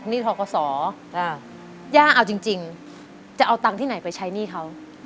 นี่ท้อกสออ่าย่าเอาจริงจริงจะเอาตังค์ที่ไหนไปใช้หนี้เขา